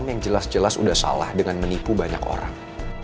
yang jelas jelas sudah salah dengan menipu banyak orang